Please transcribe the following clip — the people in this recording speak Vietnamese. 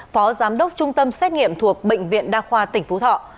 phó giám đốc trung tâm xét nghiệm thuộc bệnh viện đa khoa tỉnh phú thọ